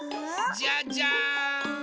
じゃじゃん！